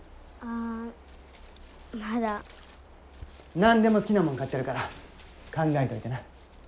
何でも好きなもん買ってやるから考えといてな。